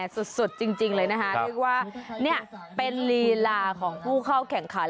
สุดจริงเลยนะคะเรียกว่านี่เป็นลีลาของผู้เข้าแข่งขัน